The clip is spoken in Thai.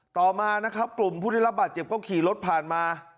ต่อมานะครับกลุ่มผู้ได้รับบาดเจ็บก็ขี่รถผ่านมา